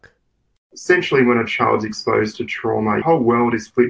sebenarnya ketika anak anak terdampak dengan trauma seluruh dunia terbalik